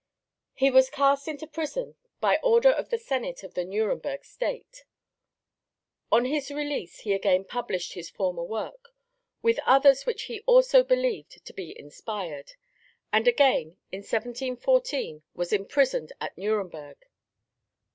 He was cast into prison by order of the senate of the Nuremberg State. On his release he again published his former work, with others which he also believed to be inspired, and again in 1714 was imprisoned at Nuremberg.